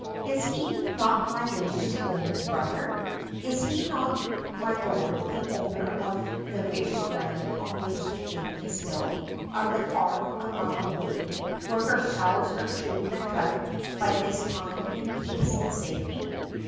Is he not my lady's own brother? Is not my lord the owner of the very ground on which the inn is built, of the farm a mile away, where her cows are chewing the cud by this time in peace and safety?